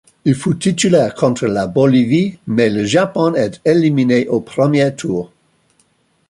Il fut titulaire contre la Bolivie, mais le Japon est éliminé au premier tour.